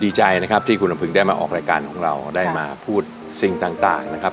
ดีใจนะครับที่คุณลำพึงได้มาออกรายการของเราได้มาพูดสิ่งต่างนะครับ